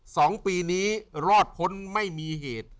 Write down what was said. สองปีนี้รอดพ้นไม่มีเหตุ